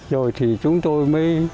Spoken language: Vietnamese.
rồi thì chúng tôi mới